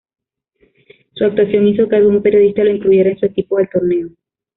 Su actuación hizo que algún periodista lo incluyera en su equipo del torneo.